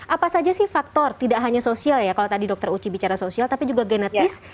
apa saja sih faktor tidak hanya sosial ya kalau tadi dokter uci bicara sosial tapi juga genetis